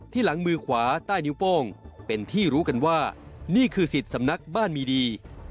หลังมือขวาใต้นิ้วโป้งเป็นที่รู้กันว่านี่คือสิทธิ์สำนักบ้านมีดี